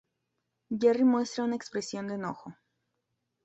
Jerry muestra una expresión de enojo.